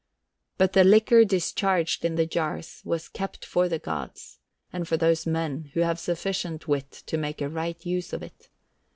But the liquor discharged in the jars was kept for the gods, and for those men who have sufficient wit to make a right use of it.